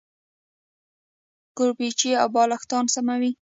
کوربچې او بالښتان سموي.